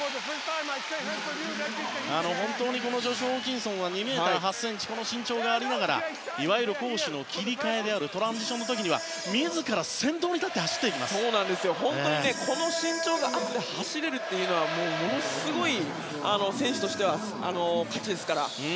本当にジョシュ・ホーキンソンは２ｍ８ｃｍの身長がありながら攻守の切り替えのトランジションの時は自ら先頭に立って本当にこの身長があって走れるというのはものすごい選手としては価値がありますから。